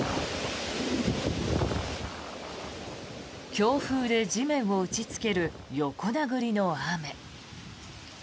強風で地面を打ちつける横殴りの雨。